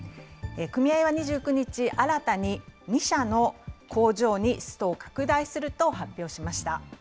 組合は２９日、新たに２社の工場にストを拡大すると発表しました。